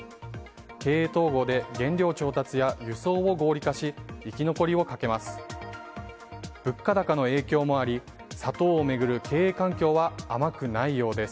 経営統合で原料調達や輸送を合理化し生き残りをかけます。